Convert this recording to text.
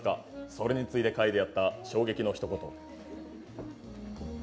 それについて書いてあった衝撃のひと言。